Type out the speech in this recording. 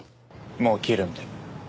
もう切るんで。